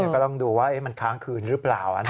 ก็ต้องดูว่ามันค้างคืนหรือเปล่า